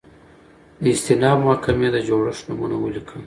د استیناف محکمي د جوړښت نومونه ولیکئ؟